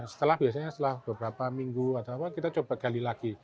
setelah biasanya setelah beberapa minggu atau apa kita coba gali lagi